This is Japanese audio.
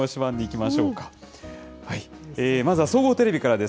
まずは総合テレビからです。